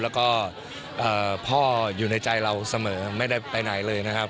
แล้วก็พ่ออยู่ในใจเราเสมอไม่ได้ไปไหนเลยนะครับ